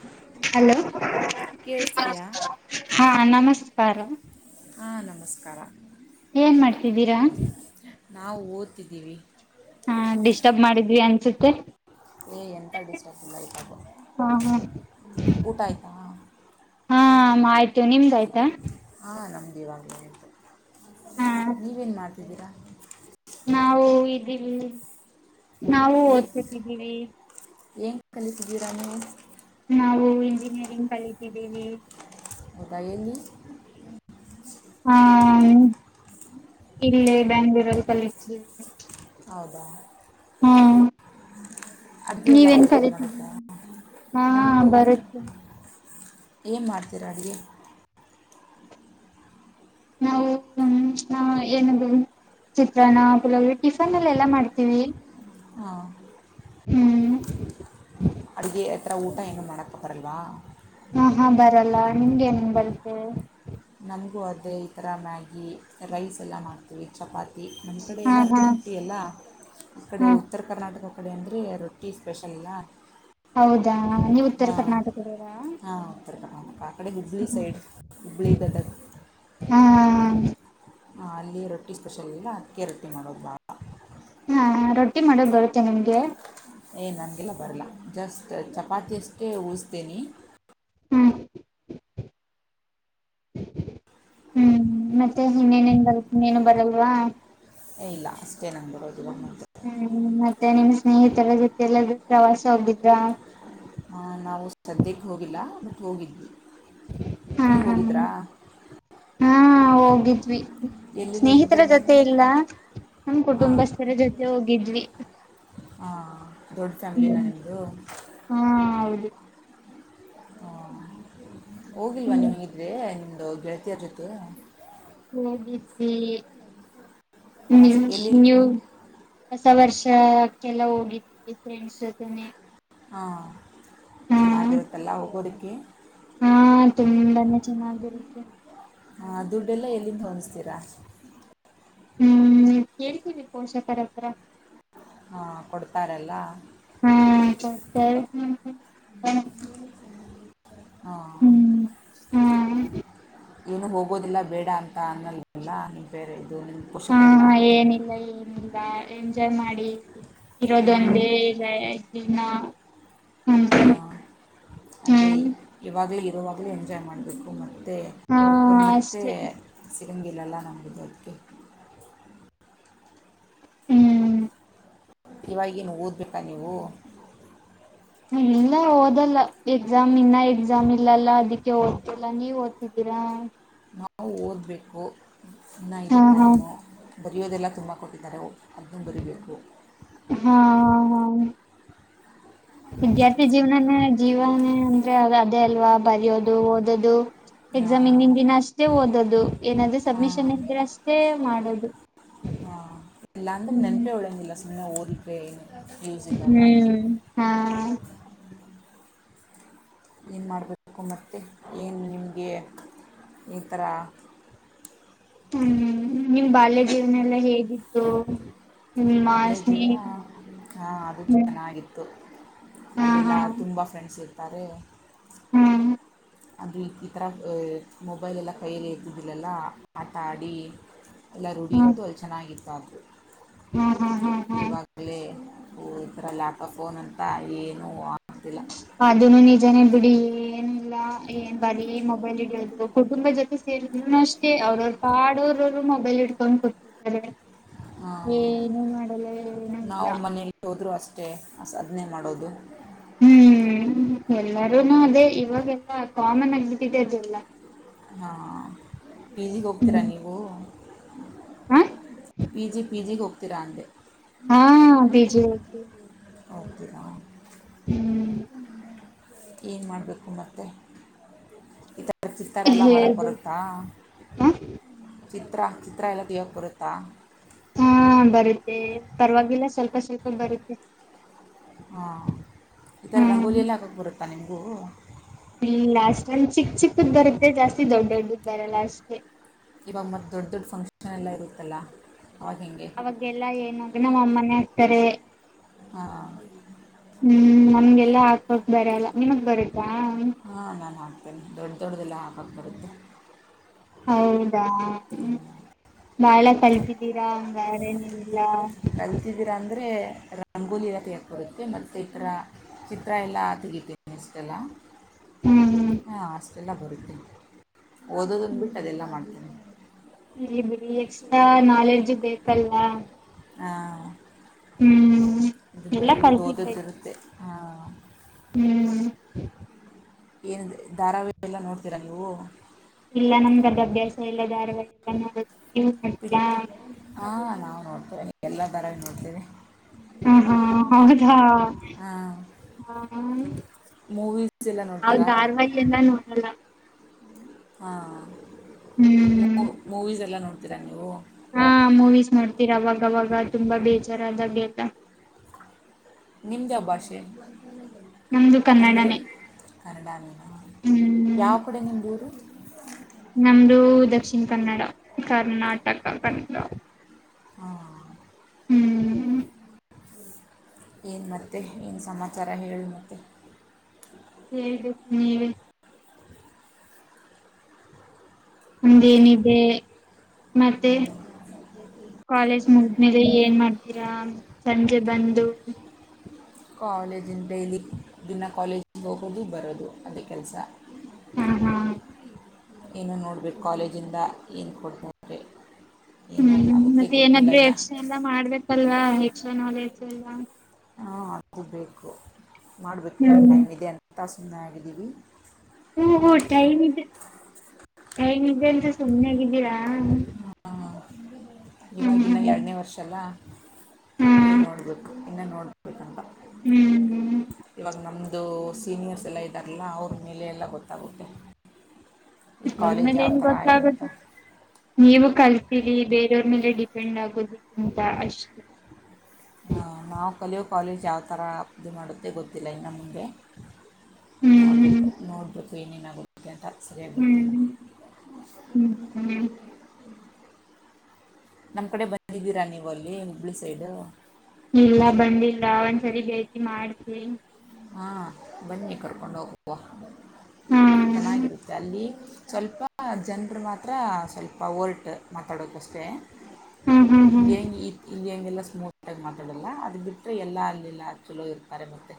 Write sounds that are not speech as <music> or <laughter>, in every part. <inaudible> Hello ಕೇಳಿಸ್ತಿದೆಯಾ ಹಾ ನಮಸ್ಕಾರ ಆ ನಮಸ್ಕಾರ ಏನ್ ಮಾಡ್ತಿದ್ದೀರ ನಾವು ಓದ್ತಿದ್ದೀವಿ. ಹಾ ಡಿಸ್ಟರ್ಬ್ ಮಾಡಿದ್ವಿ ಅನ್ಸುತ್ತೆ ಏ ಎಂತ ಡಿಸ್ಟರ್ಬ್ ಇಲ್ಲ ಹಾ ಹಾ <unintelligible> ಊಟ ಆಯ್ತಾ ಹಾಂ ಹಾ ಆಯ್ತು ನಿಮ್ದ ಆಯ್ತಾ ಹಾಂ ನಮ್ದು ಇವಾಗಲೇ ನೀವೇನು ಮಾಡ್ತಿದ್ದೀರಾ ನಾವು ಇದೀವಿ ನಾವು ಓದ್ಕೋತಾಯಿದೀವಿ ಏನ್ ಕಲಿತಿದೀರಾ ನೀವು ನಾವು ಇಂಜಿನಿಯರಿಂಗ್ ಕಲಿತಿದ್ದೀವಿ ಹೌದ ಎಲ್ಲಿ ಹಾ ಇಲ್ಲಿ ಬೆಂಗಳೂರುರಲ್ಲಿ ಕಲಿತಿದೀವಿ ಹೌದಾ ಹಾ ಅಡುಗೆ ಎಲ್ಲ ನೀವೇನ್ ಬರುತ್ತೆ ಮಾಡೋಕ್ಕೆ ಕಲಿತಿದ್ದೀರ ಹಾ ನಮ್ಮದು ಬರುತ್ತೆ ಏನು ಮಾಡ್ತೀರಾ ಅಡುಗೆ ನಾವು ನಾವು ಏನ್ ಅದು ಚಿತ್ರನ್ನ ಪುಳಿಯೋಗರೆ ಟಿಫನ್ಲ್ ಅಲ್ಲಿ ಎಲ್ಲಾ ಮಾಡ್ತೀವಿ ಹಾ ಹ್ಮ್ ಅಡುಗೆ ಆತರ ಊಟ ಏನು ಮಾಡೋಕ್ಕ ಬರಲ್ವಾ ಹಾ ಹಾ ಬರಲ್ಲ ನಿಮ್ಗೆ ಏನ್ ಬರುತ್ತೆ ನಮಗೂ ಅದೇ ಈತರ ಮ್ಯಾಗಿ ರೈಸ್ ಎಲ್ಲ ಮಾಡ್ ಚಪಾತಿ ನಮ್ಮ್ ಕಡೆ ಹಾ ಎಲ್ಲ ಹಾ ರೊಟ್ಟಿ ಎಲ್ಲ ಹಾ ಈಕಡೆ ಉತ್ತರ ಕರ್ನಾಟಕ ಕಡೆ ಅಂದರೆ ರೊಟ್ಟಿ ಸ್ಪೆಷಲ್ ಅಲ್ಲ ಹೌದಾ ನೀವು ಉತ್ತರ ಹಾಂ ಕರ್ನಾಟಕದವರ ಹಾಂ ಉತ್ತರ ಕರ್ನಾಟಕ ಆಕಡೆ ಹುಬ್ಬಲಿ ಸೈಡ್ ಹುಬ್ಲಿ ಗದಗ್ ಹ್ಮ್ ಹ ಅಲ್ಲಿ ರೊಟ್ಟಿ ಸ್ಪೆಷಲ್ ಅಲ್ಲ ಅಕ್ಕಿ ರೊಟ್ಟಿ ಮಾಡೋರು ಬಾಳ ಹಾ ರೊಟ್ಟಿ ಮಾಡಕ್ ಬರುತ್ತೆ ನಿಮ್ಗೆ ಏ ನನಗೆಲ್ಲ ಬರಲ್ಲ ಜಸ್ಟ್ ಚಪಾತಿಯಷ್ಟೇ ಊಸ್ತೀನಿ ಹ್ಮ್ ಹ್ಮ್ ಮತ್ತೆ ಇನ್ನೇನ ಬರುತ್ತೆ ಇನ್ನೇನು ಬರಲ್ವಾ ಇಲ್ಲ ಅಷ್ಟೇ ನನಗೆ ಬರೋದು ಹ್ಮ್ ಮತ್ತೆ ನಿಮ್ಮ್ ಸ್ನೇಹಿತರ ಜೊತೆಲ್ಲಾದೂ ಪ್ರವಾಸ ಹೋಗಿದ್ರಾ ಹ ನಾವು ಸದ್ಯಕ್ಕೆ ಹೋಗಿಲ್ಲ ಬಟ್ ಹೋಗಿದ್ವಿ ಹಾ ನೀವು ಹಾ ಹೋಗಿದ್ರಾ ಹಾ ಹೋಗಿದ್ವಿ ಎಲ್ಲೆಲ್ಲಿ ಸ್ನೇಹಿತರ ಹೋಗಿದ್ರಾ ನೀವು ಜೊತೆ ಇಲ್ಲ ನಮ್ಮ ಹಾಂ ಕುಟುಂಬಸ್ಥರ ಜೊತೆ ಹೋಗಿದ್ವಿ ದೊಡ್ಡ ಫ್ಯಾಮಿಲಿನಾ ಹ್ಮ್ ನಿಮ್ದು ಹಾ ಹೌದು ಹಾ ಹೋಗಿಲ್ವಾ ಹ್ಮ್ ನಿಮ್ಗಿದ್ರೆ ನಿಮ್ದು ಗೆಳತಿಯರ ಜೊತೆ ಹೋಗಿದ್ದಿ ಪ್ರವಾಸ ಎಲ್ಲಿ ನೀವ್ ಹೊಸ ವರ್ಷಕ್ಕೆಲ್ಲ ಹೋಗಿದ್ವಿ ಫ್ರೆಂಡ್ಸ್ ಜೊತೆನೆ ಹಾ ಹಾ ಚೆನ್ನಾಗಿರುತ್ತೆಲ್ಲ ಹೋಗೋದಿಕ್ಕೆ ಹಾ ತುಂಬಾನೇ ಚೆನ್ನಾಗಿರುತ್ತೆ ಹಾ ದುಡ್ಡೆಲ್ಲ ಎಲ್ಲಿಂದ ಹೊಂದಿಸ್ತೀರ ಹ್ಮ್ ಕೇಳ್ತೀವಿ ಪೋಷಕರ ಹತ್ರ ಹಾ ಕೊಡ್ತಾರೆಲ್ಲ ಹಾ ಕೊಡ್ತಾರೆ ಹಾ ಹ್ಮ್ ಏನು ಹೋಗೋದಿಲ್ಲ ಬೇಡ ಅಂತ ಅನ್ನಲ್ ಹಾ ಹಾ ಏನಿಲ್ಲ ಏನಿಲ್ಲ ಎಂಜಾಯ್ ಮಾಡಿ. ಹಾಂ ಇರೋದೊಂದೇ ನ ಜೀವ್ನ ಹಾ ಅದೇ ಇವಾಗ್ಲೇ ಇರೋವಾಗಲೇ ಎಂಜಾಯ್ ಮಾಡಬೇಕು ಮತ್ತೆ ಹಾ ಇದು ಮತ್ತೆ ಅಷ್ಟೆ ಸಿಗಂಗಿಲಲ್ಲ ನಮ್ಗಿದು ಅದ್ಕೆ ಹ್ಮ್ ಇವಾಗೇನು ಓದ್ಬೇಕಾ ನೀವು. ಹ ಇಲ್ಲ ಓದಲ್ಲ ಎಕ್ಸಾಮ್ ಇನ್ನ ಎಕ್ಸಾಮ್ ಇಲ್ಲಲ್ಲ ಅದಕ್ಕೆ ಓದ್ತಿಲ್ಲಾ ನೀವ್ ಓದ್ತಿದ್ದೀರ ನಾವು ಓದಬೇಕು ಇನ್ನ ಇದೆ ಹಾ ಹಾ ಟೈಮು ಬರೆಯೋದೆಲ್ಲ ತುಂಬ ಕೊಟ್ಟಿದ್ದಾರೆ ಓ ಅದ್ನು ಬರಿಬೇಕು. ಹಾ ಹಾ ಹಮ್ ವಿದ್ಯಾರ್ಥಿ ಜೀವನನೆ ಜೀವನೆ ಅಂದ್ರೆ ಅದೇ ಅಲ್ವಾ ಬರ್ಯೋದು ಓದೋದು. ಎಕ್ಸಾಮ್ ಹಿಂದಿನ್ ದಿನ ಅಷ್ಟೇ ಓದದು ಏನಾದ್ರೂ ಸಬ್ಮಿಷನ್ ಇದ್ರೆ ಅಷ್ ಟೇ ಮಾಡದು ಎಲ್ಲಾಂದ್ರೆ ನೆನ್ಪೇ ಉಳಿಯಂಗಿಲ್ಲ ಸುಮ್ನೆ ಓದಿದ್ವೇನು ಹ್ಮ್ ಹಾ ಏನು ಮಾಡ್ಬೇಕು ಮತ್ತೆ ಏನು ನಿಮ್ಗೆ ಈ ಥರ ಹ್ಮ್ ಹ್ಮ್ ನಿಮ್ ಬಾಲ್ಯ ಜೀವನ ಎಲ್ಲಾ ಹೇಗಿತ್ತು. ನಿಮ್ಮ ಬಾಲ್ಯ ಜೀವನ ಸ್ನೇಹಿತ ಹ ಅದು ಹ್ಮ್ ಚೆನ್ನಾಗಿತ್ತು. ಹಾ ಹಾ ಅಲ್ಲಿಲ್ಲಾ ತುಂಬಾ ಫ್ರೆಂಡ್ಸ್ ಇರ್ತಾರೆ. ಹ್ಮ್ ಅಂದರೆ ಈಥರ ಏ ಮೊಬೈಲ್ ಎಲ್ಲ ಕೈಯಲ್ಲಿ ಇದ್ದಿದ್ದಿಲ್ಲಲ್ಲ ಆಟಾಡಿ ಎಲ್ಲ ರೂಢಿ ಇತ್ತು ಅಲ್ ಚೆನ್ನಾಗಿತ್ ಆದ್ರು ಹಾ ಹಾ ಹಾ ಹ್ ಈವಾಗಲೇ ಓ ಈ ಥರ ಲ್ಯಾಪ್ಟಾಪ್ ಫೋನ್ ಅಂತ ಏನೂ ಆಗ್ತಿಲ್ಲ. ಅದನು ನಿಜನೇ ಬಿಡಿ ಏನು ಲ್ಲ ಏನ್ ಬರೀ ಮೊಬೈಲ್ ಹಿಡಿಯೋದು ಕುಟುಂಬದ್ ಜೊತೆ ಸೇರಿದ್ರುನು ಅಷ್ಟೇ ಅವ್ರವ್ರ್ ಪಾಡು ಅವ್ರವ್ರ್ ಮೊಬೈಲ್ ಇಡ್ಕೊಂಡ್ ಕು ತ್ತಾರೆ ಆ, ಏನು ಮಾಡಲ್ಲ ಏನು ಇಲ್ಲ ಹೋದ್ರೂ ಅಷ್ಟೇ ಆಸ್ ಅದ್ನೇ ಮಾಡೋದು. ಹ್ಮ್ ಎಲ್ಲರೂನು ಅದೇ ಇವಾಗೆಲ್ಲ ಕಾಮನ್ ಆಗ್ಬಿಟ್ಟಿದೆ ಅದೆಲ್ಲ. ಹಾಂ ಪಿ ಜಿ ಗ್ ಹೋಗ್ತೀರಾ ಹ್ಮ್ ನೀವು. ಹ ಪಿ ಜಿ ಪಿ ಜಿಗ್ ಹೋಗ್ತೀರಾ ಅಂದೆ ಹಾಂ ಪಿ ಜಿಗ್ ಹೋಗ್ತಿವ್ ಹೋಗ್ತೀರಾ ಹ್ಮ್ ಏನು ಮಾಡಬೇಕು ಮತ್ತೆ ಇದು ವ ಚಿತ್ತಾರ ಎಲ್ಲಾ ಮಾಡಕ್ ಹೇಳ್ಬೇಕು ಬರುತ್ತಾ ಹ ಚಿತ್ರ ಚಿತ್ರಾ ಎಲ್ಲ ತಗಿಯಕ್ ಬರುತ್ತಾ ಹಾ ಬರುತ್ತೆ ಪರ್ವಾಗಿಲ್ಲ ಸ್ವಲ್ಪ ಸ್ವಲ್ಪ ಬರುತ್ತೆ. ಹಾ ಈ ಥರ ಹ್ಮ್ ರಂಗೋಲಿಯೆಲ್ಲ ಹಾಕಕ್ ಬರುತ್ತಾ ನಿಮ್ಗೂ. ಇಲ್ಲ ಅಷ್ಟೇನ್ ಚಿಕ್ ಚಿಕ್ಕುದ್ ಬರುತ್ತೆ ಜಾಸ್ತಿ ದೊಡ್ ದೊಡ್ದುದ್ ಬರಲ್ಲ ಅಷ್ಟೇ. ಇವಾಗ ಮತ್ತ್ ದೊಡ್ ದೊಡ್ ಫಂಕ್ಷನ್ ಎಲ್ಲಾ ಇರುತ್ತಲ್ಲ ಅವಾಗ್ ಹೆಂಗೆ ಅವಾಗೆಲ್ಲಾ ಏನ್ ದಿನ ನಮ್ಮಮ್ಮನೆ ಹಾಕ್ತಾರೆ. ಹಾ ಹ್ಮ್ ನಮ್ಗೆಲ್ಲಾ ಹಾಕಕ್ ಬರಲ್ಲ ನಿಮಗ್ ಬರುತ್ತಾ ಹಾ ನಾನು ಹಾಕ್ತೇನೆ ದೊಡ್ಡ ದೊಡ್ಡದೆಲ್ಲ ಹಾಕಕ್ಕೆ ಬರುತ್ತೆ ಹೌದಾ ಬಾಳ ಕಲಿತಿದಿರ ಹಂಗಾರ ನೀವೆಲ್ಲ ಕಲ್ತಿದ್ದೀರಾ ಅಂದರೆ ರಂಗೋಲಿ ಬಿಡೋಕೆ ಬರುತ್ತೆ ಮತ್ತೆ ಇತರ ಚಿತ್ರ ಎಲ್ಲಾ ತೆಗಿತೀನಿ <unintelligible> ಹ್ಮ್ ಹಾ ಅಷ್ಟೆಲ್ಲ ಬರುತ್ತೆ ಓದೋದನ್ ಬಿಟ್ಟು ಅದೆಲ್ಲ ಮಾಡ್ತೇನೀ ಇರಲ್ಲಿ ಬಿಡಿ ಎಕ್ಸ್ಟ್ರಾ ನಾಲೆಡ್ಜು ಬೇಕಲ್ಲ ಹಾ ಹ್ಮ್ ಅದು ಎಲ್ಲಾ ಬರಿಯೋದು ಓದೋದು ಕಲ್ತಿರ್ಬೇಕು ಇರುತ್ತೆ ಹಾ ಹ್ಮ್ ಏನು ಧಾರಾವಾಹಿ ಎಲ್ಲ ನೋಡ್ತೀರ ನೀವು ಇಲ್ಲ ನಮಗೆ ಅದು ಅಭ್ಯಾಸ ಇಲ್ಲ ಧಾರವಾಹಿ ಎಲ್ಲ ನೋಡೋದು ನೀವು ನೋಡ್ತೀರಾ ಹಾ ನಾವು ನೋಡ್ತೇವಿ ಎಲ್ಲಾ ಧಾರಾವಾಹಿ ನೋಡ್ತೀವಿ ಹಾ ಹಾ ಹೌದಾ ಹಾಂ ಮೂವೀಸ್ ಎಲ್ಲ ನಾವ್ ನೋಡ್ತೀರ ಧಾರವಾಹಿ ಎಲ್ಲ ನೋಡಲ್ಲ ಹಾ ಹ್ಮ್ ಮೂವೀಸ್ ಎಲ್ಲ ನೋಡ್ತೀರಾ ನೀವು ಹಾ ಮೂವೀಸ್ ನೋಡ್ತೀನೀ ಅವಾಗ ಅವವಾಗ ತುಂಬಾ ಬೇಜಾರದಾಗೆಲ್ಲ ನಿಮ್ದ ಯಾವ ಭಾಷೆ ನಮ್ದು ಅಂದರೆ ಕನ್ನಡನೇ ಕನ್ನಡಾನೇ ಹ್ಮ್ ಯಾವ ಕಡೆ ನಿಮ್ಮದು ಊರು ನಮ್ದ ದಕ್ಷಿಣ ಕನ್ನಡ ಕರ್ನಾಟಕ ಹ್ಮ್ ಏನು ಮತ್ತೆ ಏನು ಸಮಾಚಾರ ಹೇಳು ಮತ್ತೆ ಹೇಳ್ಬೇಕು ನೀವೇ ನಮ್ದು ಏನಿದೆ ಮತ್ತೆ ಕಾಲೇಜ್ ಮು ಮುಗುದ್ಮೇಲೆ ಏನ್ಮಾಡ್ತೀರಾ ಸಂಜೆ ಬಂದು ಕಾಲೇಜಿನ ಡೈಲಿ ದಿನ ಕಾಲೇಜಿಗೆ ಹೋಗೋದು ಬರೋದು ಅದೇ ಕೆಲಸ ಹಾ ಹಾ ಏನು ನೋಡ್ಬೇಕು ಕಾಲೇಜಿಂದ ಏನ್ ಕೊಡ್ತಾರೆ ಏನು ಹ್ಮ್ ಆಗುತ್ತೆ ಮತ್ತೆ ಗೊತ್ತಿಲ್ಲ ಏನಾದ್ರು ಇನ್ನು ಎಕ್ಸ್ಟ್ರಾ ಎಲ್ಲಾ ಮಾಡ್ಬೇಕಲ್ವಾ ಎಕ್ಸ್ಟ್ರಾ ನಾಲೆಜ್ ಎಲ್ಲ ಹಾ ಆಗಬೇಕು ಮಾಡಬೇಕು ಇನ್ನುೂ ಹ್ಮ್ ಟೈಮ್ ಇದೆ ಅಂತ ಸುಮ್ಮನೆ ಆಗಿದ್ದೀವಿ ಓಹೋ ಓಹೋ ನೋಡ್ತೇವೆ ಟೈಮ್ ಇದೆ ಟೈಮ್ ಇದೆ ಅಂತ ಸುಮ್ನೆಾಗಿದ್ದೀರಾ ಹಾ ಹ ಇವಾಗ ಹ್ಮ್ ಇನ್ನಾಗ ಹ್ಮ್ ಎರಡನೇ ವರ್ಷ ಅಲ್ಲ ಹ್ಮ್ ನೋಡ್ಬೇಕು ಇನ್ನ ನೋಡ್ಬೇಕಂತ ಹ್ಮ್ ಇವಾಗ ನಮ್ದು ಸೀನಿಯರ್ಸ್ ಎಲ್ಲ ಇದ್ದಾರಲ್ಲ ಅವ್ರ ಮೇಲೆ ಎಲ್ಲ ಗೊತ್ತಾಗುತ್ತೆ ಈ ಕಾಲೇಜ್ ಅವ್ಮೇಲೆ ಯಾವ ಏನ್ ಥರ ಇದೆ ಅಂತ ಗೊತ್ತಗೋದು ನೀವು ಕಲ್ತೀರಿ ಬೇರೆಯವ್ರ ಮೇಲೆ ಡಿಪೆಂಡ್ ಆಗೋದಕ್ಕಿಂತ ಅಷ್ಟು ಹಾ ನಾವು ಕಲಿಯೋ ಕಾಲೇಜ್ ಯಾವ ತರ ಇದು ಮಾಡುತ್ತೆ ಗೊತ್ತಿಲ್ಲ ಇನ್ನು ಮುಂದೆ ನೋಡ್ಬೇಕು ಹ್ಮ್ ನೋಡ್ಬೇಕು ಏನೇನು ಆಗುತ್ತೆ ಅಂತ ಸರಿ ಹ್ಮ್ ಹ್ಮ್ ಹ್ಮ್ ನಮ್ ಕಡೆ ಬಂದಿದ್ದೀರಾ ನೀವು ಅಲ್ಲಿ ಹುಬ್ಳಿ ಸೈಡ್ ಇಲ್ಲ ಬಂದಿಲ್ಲ ಒಂದ್ಸರಿ ಭೇಟಿ ಮಾಡ್ತಿನೀ ಹಾ ಬನ್ನಿ ಕರ್ಕೊಂಡು ಹೋಗುವ ಹಾ ಚೆನ್ನಾಗಿರುತ್ತೆ ಅಲ್ಲಿ ಸ್ವಲ್ಪ ಜನರು ಮಾತ್ರ ಸ್ವಲ್ಪ ಓಲ್ಟ್ ಮಾತಾಡೋಕ್ಕಷ್ಟೇ ಹ್ಮ್ ಹ್ಮ್ ಹ್ಮ್ ನೀ ಇ <unintelligible> ಇಲ್ಲಿ ಹಂಗೆಲ್ಲ ಸ್ಮೂತಾಗಿ ಮಾತಾಡಲ್ಲ ಅದು ಬಿಟ್ಟರೆ ಎಲ್ಲ ಅಲ್ಲಿ ಯೆಲ್ಲಾ ಚಲೋ ಇರ್ತಾರೆ ಮತ್ತೆ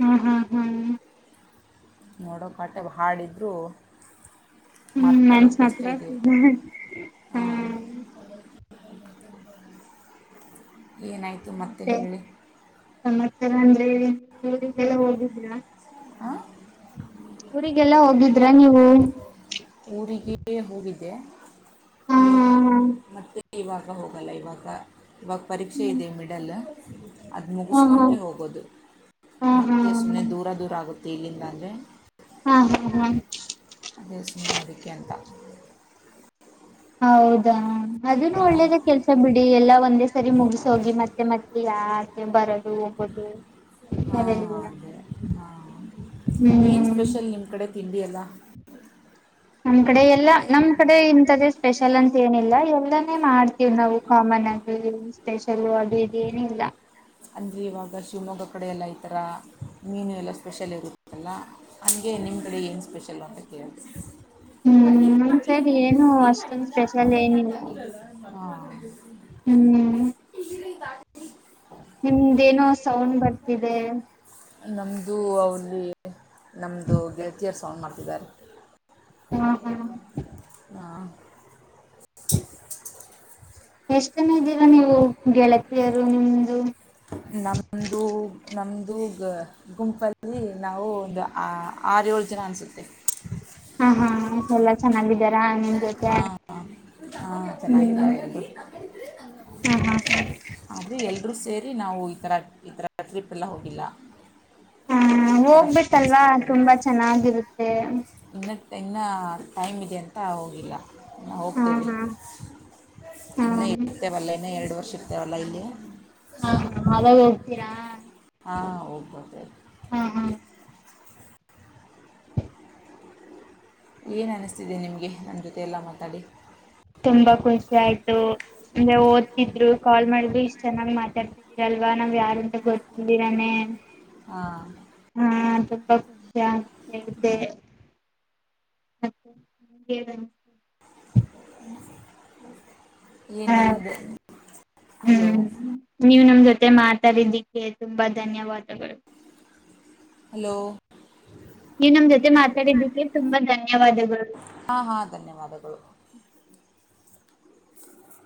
ಹ್ಮ ಹ್ಮ ಹ್ಮ್ ನೋಡೋಕಾಟೆ ಹಾಡಿದ್ರು ಹ್ಮ್ ನನ್ಸ ಮಾತಾಡೋಕ್ಕೆಷ್ಟ ಮಾತ್ರ ಇದತ್ತ ಸಿದೆ ಹಾ ಹ ಏನಾಯಿತು ಮತ್ತೆ ಹೇಳಿ ಸಂತ್ಸರ ಅಂದ್ರೆ ಇ ಊರಿಗೆಲ್ಲ ಹೋಗುದರಾ ಹಾಂ ಊರಿಗೆಲ್ಲ ಹೋಗಿದ್ರ ನೀವು ಊರಿಗೆ ಹೋಗಿದೆ ಹಾ ಈ ಹಾ ಹಾ ಮತ್ತೆ ಇವಾಗ ಹೋಗಲ್ಲ ಇವಾಗ ಇವಾಗ ಪರೀಕ್ಷೆ ಹ್ಮ್ ಇದೆ ಮಿಡಲ್ ಅದು ಹ್ಮ ಹ್ಮ ಮುಗಿಸ್ಕೊಂಡೇ ಹೋಗೋದು ಹಾ ಹಾ ಮತ್ತೆ ಸುಮ್ಮನೆ ದೂರ ದೂರ ಆಗುತ್ತೆ ಇಲ್ಲಿದ ಅಂದ್ರರೆ ಹಾ ಹಾ ಹಾ ಅದೇ ಸುಮ್ಮನೆದಕ್ಕೆ ಎಂತ ಹೌದಾ ಅದನ್ನು ಒಳ್ಳೇದಾಗ ಕೆಲ್ಸ ಬಿಡಿ ಎಲ್ಲ ಒಂದೇ ಸರಿ ಮುಗಸ ಹೋಗಿ ಮತ್ತೆ ಮತ್ತೆ ಯಾರ ಬರೋದು ಹೋಗಬೋದು ಹಾಂ ಅದೇ ಹಾಂ ಏನು ಹ್ಮ್ ಸ್ಪೆಷಲ್ ನಿಮ್ಮ ಕಡೆ ತಿಂಡಿ ಎಲ್ಲ ನಮ್ ಕಡೆ ಎಲ್ಲಾ ನಮ್ ಕಡೆ ಇಂಥ್ದೇ ಸ್ಪೆಷಲ್ ಅಂತ ಏನಿಲ್ಲ ಎಲ್ಲಾನೇ ಮಾಡ್ತೀವವಿ ನಾವು ಕಾಮನ್ ಅಲ್ಲಿ ಸ್ಪೆಷಲ್ ಅದು ಇದು ಏನಿಲ್ಲ ಅಂದರೆ ಇವಾಗ ಶಿವಮೊಗ್ಗ ಕಡೆ ಎಲ್ಲ ಈ ಥರ ಮೀನು ಎಲ್ಲ ಸ್ಪೆಷಲ್ ಇರುತ್ತದಲ್ಲ ಹಾಗಗೆ ನಿಮ್ಮ ಕಡೆ ಏನು ಸ್ಪೆಷಲ್ ಅಂತ ಕೇಳ ಇ ಹ್ಮ್ ನಮ್ ಮಾಡ ಸೈಡ್ ಏನು ಅಷ್ಟೊಂದು ಸ್ಪೆಷಲ್ ನನ್ ಏನಿಲ್ಲ ಮಾಡದ <unintelligible> ಹ್ಮ್ ಪಜದ <unintelligible> ನಿಮ್ದೇಏನೋ ಸೌಂಡ್ ಬರ್ತಿದೆ ನಮ್ದು ಅವಲ್ಲಿ ನಮ್ದು ಗೆಳ್ತಿಯರ್ ಸೌಂಡ್ ಮಾಡ್ತಿದ್ದಾರೆ ಹ್ಮ್ ಹ್ಮ್ ಹ ಎಷ್ಟ ಜನ ಇದ್ದೀರಾ ನೀವು ಗೆಳತಿಯರು ನಿಮ್ದು ನಮ್ದು ನಮ್ದು ಗುಂಪಲ್ಲಿ ನಾವು ಒಂದು ಆರು ಏಳು ಜನ ಅನಿಸುತ್ತೆ ಹಾ ಹಾ ಎಲ್ಲ ಚೆನ್ನಾಗಿದ್ದಾರಾ ನಿನ್ ಜೊತೆ ಹ ಹಾ ಹ್ಮ್ ಚೆನ್ನಾಗಿದ್ದಾರೆ ಎಲ್ಲಿ ಹ ಹಾ ಆದರೆ ಎಲ್ಲರೂ ಸೇರಿ ನಾವು ಈ ಥರ ಈ ಥರ ಟ್ರಿಪಲ್ಲ ಹೋಗಿಲ್ಲ ಹಾ ಈ ಥರ ಫ್ರೆಂಡ್ಸ್ ಹೋಗ್ಬೇಕಲ್ವಾ ತುಂಬಾ ಚೆನ್ನಾಗಿರುತ್ತೆ ಇನ್ನ ಇನ್ನೂ ಟೈಮ್ ಇದೆ ಅಂತ ಹೋಗಿಲ್ಲ ನಾ ಹಾ ಹೋಗ್ತೇವಿ ಹಾ ಹಾ ಇನ್ನ ಇರ್ತೇವಲ್ಲ ಇನ್ನ ಎರಡು ವರ್ಷ ಇರ್ತೇವಲ್ಲ ಇಲ್ಲಿ ಹಾ ಹಾ ಮಾಗ ಹೋಗ್ತೀರಾ ಹಾ ಹೋಗ್ಬ ಹಾ ಹಾ ಏನು ಅನಿಸ್ತಿದೆ ನಿಮಗೆ ನನ್ನ ಜೊತೆ ಎಲ್ಲ ಮಾತಾಡಿ ತುಂಬಾ ಖುಷಿ ಆಯ್ತು ಅಂದ್ರೆ ಓದ್ತಿದ್ರು ಕಾಲ್ ಮಾಡುದು ಇಷ್ಟ ಚೆನ್ನಾಗ್ ಮಾತಾಡ್ತಿದೀರಲ್ವ ನಾವ್ ಯಾರುಂತ ಗೊತ್ತಿಂದಿರಾನೇ ಹಾ ಹಾ ತುಂಬಾ ಖುಷಿಯ ಹೇತೆೇ ಅ ಹೇಳ ಹ ಏನ ಹಲೋ ನೀವು ನಮ ಜೊತೆ ಮಾತಾಡಿದ್ದಿಕ್ಕೆ ತುಂಬಾ ಧನ್ಯವಾದಗಳು ಹಲೋ ನೀವು ನಮ್ಮ ಜೊತೆ ಮಾತಾಡಿದ್ದಕ್ಕೆ ತುಂಬಾ ಧನ್ಯವಾದಗಳು ಹಾ ಹಾ ಧನ್ಯವಾದಗಳು ಹ <unintelligible>